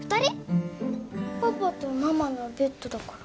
パパとママのベッドだから